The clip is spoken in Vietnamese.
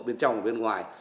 bên trong bên ngoài